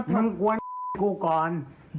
นี่มึงกวนดูกว่ากูก่อน